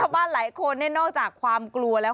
บ้านหลายคนนอกจากความกลัวแล้ว